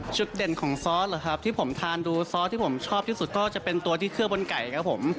เด่นของซอสเหรอครับที่ผมทานดูซอสที่ผมชอบที่สุดก็จะเป็นตัวที่เคลือบบนไก่ครับผม